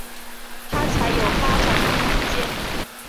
他才有发展的空间